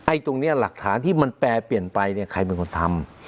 ตรงนี้หลักฐานที่มันแปรเปลี่ยนไปเนี่ยใครเป็นคนทำ